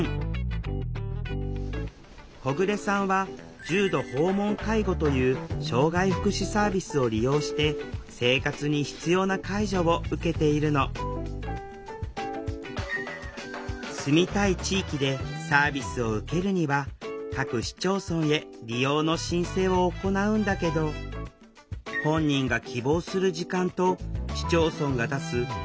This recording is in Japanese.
小暮さんは重度訪問介護という障害福祉サービスを利用して生活に必要な介助を受けているの住みたい地域でサービスを受けるには各市町村へ利用の申請を行うんだけど本人が希望する時間と市町村が出す支給決定時間が